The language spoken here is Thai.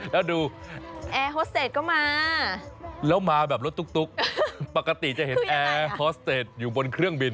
แล้วดูแอร์ฮอสเตจก็มาแล้วมาแบบรถตุ๊กปกติจะเห็นแอร์ฮอสเตจอยู่บนเครื่องบิน